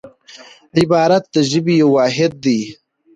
عبارت د ژبي یو واحد دئ.